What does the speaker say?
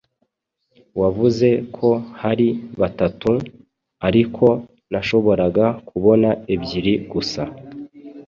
Wavuze ko hari batatu, ariko nashoboraga kubona ebyiri gusa.